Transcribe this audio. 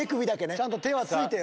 ちゃんと手は着いてよ。